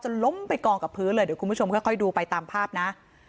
ล้มไปกองกับพื้นเลยเดี๋ยวคุณผู้ชมค่อยดูไปตามภาพนะ